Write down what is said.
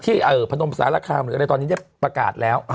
ที่ผนมศาลกราบหรืออะไรตอนนี้ได้ประกาศแล้ว